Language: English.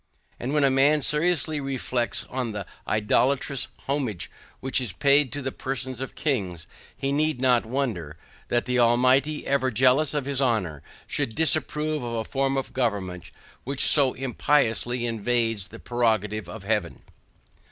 And when a man seriously reflects on the idolatrous homage which is paid to the persons of Kings, he need not wonder, that the Almighty ever jealous of his honor, should disapprove of a form of government which so impiously invades the prerogative of heaven.